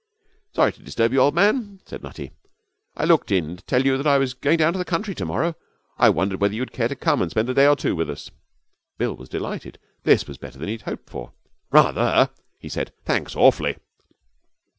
'Sorry to disturb you, old man,' said Nutty. 'I looked in to tell you that I was going down to the country to morrow. I wondered whether you would care to come and spend a day or two with us.' Bill was delighted. This was better than he had hoped for. 'Rather!' he said. 'Thanks awfully!'